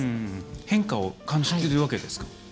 変化を感じているわけですね。